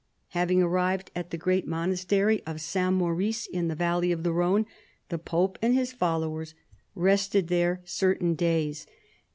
Having arrived at the great monastery of St. Maurice, in the valley of the Rhone, the pope and his followers rested there certain days.